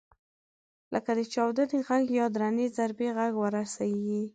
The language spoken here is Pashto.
لکه د چاودنې غږ یا درنې ضربې غږ ورسېږي.